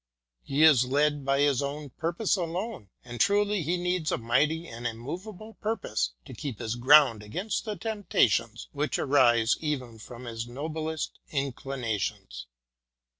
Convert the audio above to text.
He is led by his own pur pose alone; and truly he needs a mighty and immovable purpose to keep his ground against the temptations which arise even from his noblest inclinations.